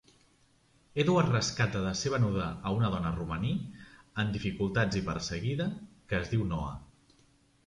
Edward rescata de ser venuda a una dona romaní, en dificultats i perseguida, que es diu Noah.